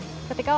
apa yang terjadi